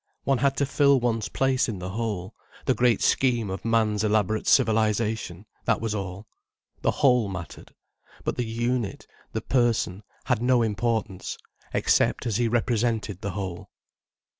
One had to fill one's place in the whole, the great scheme of man's elaborate civilization, that was all. The Whole mattered—but the unit, the person, had no importance, except as he represented the Whole.